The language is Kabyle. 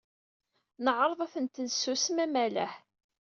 Neɛreḍ ad ten-nessusem, amalah.